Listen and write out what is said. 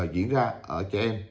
diễn ra ở trẻ em